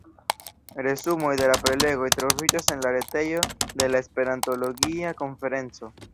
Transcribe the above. Resumoj de la prelegoj troviĝas en la retejo de la Esperantologia konferenco.